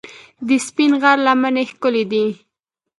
د سپین غر لمنې ښکلې دي